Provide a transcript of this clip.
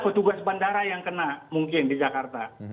petugas bandara yang kena mungkin di jakarta